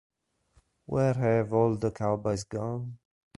Where Have All the Cowboys Gone?